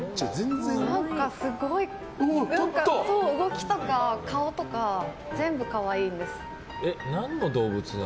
すごい動きとか顔とか全部、可愛いんです。